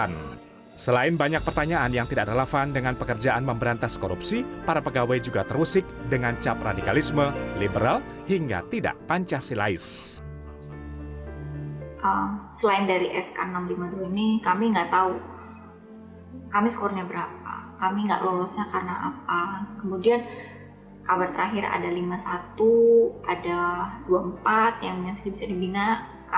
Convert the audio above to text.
berikutnya keputusan mahkamah konstitusi yang tidak diikuti pimpinan terkait alih status jabatan pegawai ini di dalam undang undang kpk